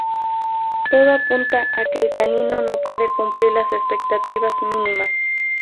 Todo apunta a que el canino no puede cumplir las expectativas mínimas.